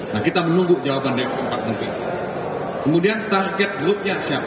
nah kita menunggu jawaban dari keempat negara kemudian target grupnya siapa